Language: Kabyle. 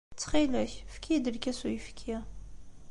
Ttxil-k, efk-iyi-d lkas n uyefki.